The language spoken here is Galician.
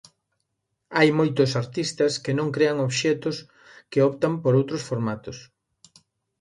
Hai moitos artistas que non crean obxectos, que optan por outros formatos.